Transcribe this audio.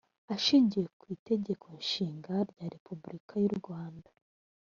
ashingiye ku itegeko nshinga rya repubulika y urwanda